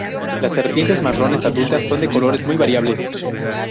Las serpientes marrones adultas son de colores muy variables.